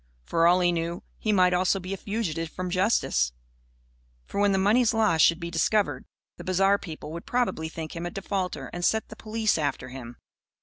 For all he knew, he might also be a fugitive from justice. For, when the money's loss should be discovered, the bazaar people would probably think him a defaulter and set the police after him.